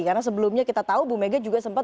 karena sebelumnya kita tahu ibu mega juga sempat